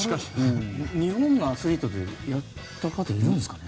日本のアスリートでやった方いるんですかね。